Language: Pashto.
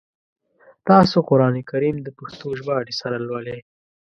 تاسو قرآن کریم د پښتو ژباړي سره لولی ؟